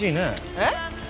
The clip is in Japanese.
えっ？